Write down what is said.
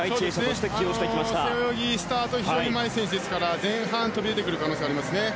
背泳ぎ、スタート非常にうまい選手ですから前半飛び出てくる可能性がありますね。